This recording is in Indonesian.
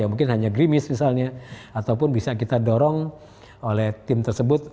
mungkin hanya grimis misalnya ataupun bisa kita dorong oleh tim tersebut